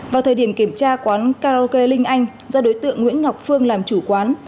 vào thời điểm kiểm tra quán karaoke linh anh do đối tượng nguyễn ngọc phương làm chủ quán